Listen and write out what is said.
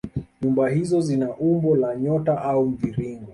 Nyumba hizo zina umbo la nyota au mviringo